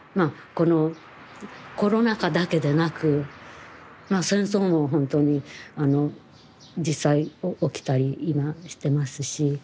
このコロナ禍だけでなく戦争も本当に実際起きたり今してますし。